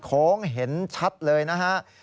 โค้งเห็นชัดเลยนะฮะ